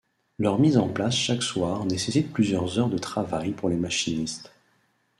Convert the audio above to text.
Leur mise en place chaque soir nécessite plusieurs heures de travail pour les machinistes.